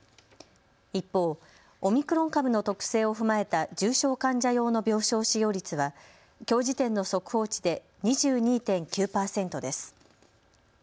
一方、オミクロン株の特性を踏まえた重症患者用の病床使用率はきょう時点の速報値で２２．９％です。